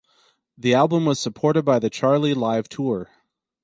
The album was supported by the Charli Live Tour.